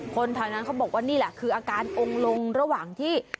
คนแถวนั้นเขาบอกว่านี่แหละคืออาการองค์ลงระหว่างที่